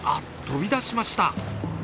飛び出しました。